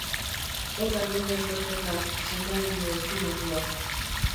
Hona nire aitorpena, sendagile estimatua.